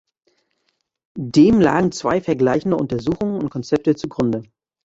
Dem lagen zwei vergleichende Untersuchungen und Konzepte zugrunde.